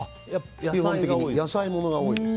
基本的に野菜物が多いです。